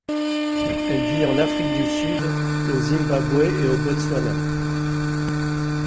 Elle vit en Afrique du Sud, au Zimbabwe et au Botswana.